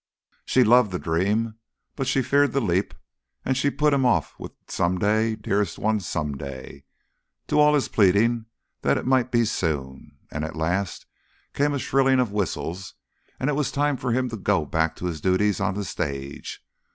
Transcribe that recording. She loved the dream, but she feared the leap; and she put him off with "Some day, dearest one, some day," to all his pleading that it might be soon; and at last came a shrilling of whistles, and it was time for him to go back to his duties on the stage.